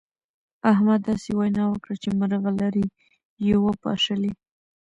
احمد داسې وينا وکړه چې مرغلرې يې وپاشلې.